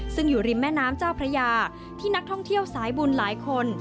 ซึ่งอยู่ริมแม่น้ำเจ้าพระยาที่นักท่องเที่ยวสายบุญหลายคน